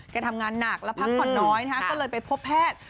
ทำงานหนักแล้วพักผ่อนน้อยก็เลยไปพบแพทย์